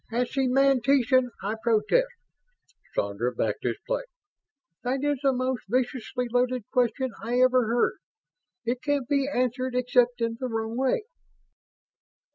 "As semantician, I protest!" Sandra backed his play. "That is the most viciously loaded question I ever heard it can't be answered except in the wrong way!"